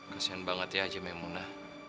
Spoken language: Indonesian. kesian banget ya haji maimunah